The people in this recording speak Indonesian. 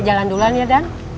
jalan duluan ya dan